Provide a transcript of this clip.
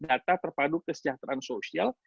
data terpadu kesejahteraan sosial